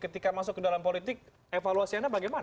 ketika masuk ke dalam politik evaluasinya bagaimana